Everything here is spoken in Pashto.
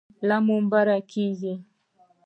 له منبره کېږي.